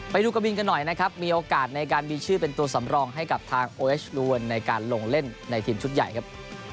ไปดูกะบินกันหน่อยนะครับมีโอกาสในการมีชื่อเป็นตัวสำรองให้กับทางโอเอชลวนในการลงเล่นในทีมชุดใหญ่ครับ